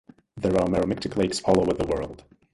There are meromictic lakes all over the world.